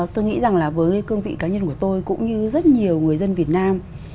tôi nghĩ rằng là với cương vị cá nhân của tôi cũng như rất nhiều người dân việt nam